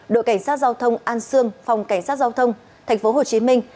đội cảnh sát giao thông an sương phòng cảnh sát giao thông thành phố hồ chí minh